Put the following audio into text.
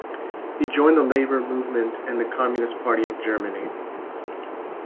He joined the labor movement and the Communist Party of Germany.